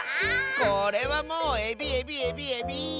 これはもうエビエビエビエビ！